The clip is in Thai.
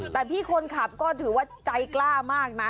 แต่พี่คนขับก็ถือว่าใจกล้ามากนะ